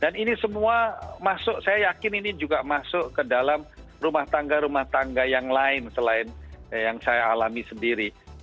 dan ini semua masuk saya yakin ini juga masuk ke dalam rumah tangga rumah tangga yang lain selain yang saya alami sendiri